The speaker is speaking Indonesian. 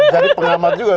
jadi pengamat juga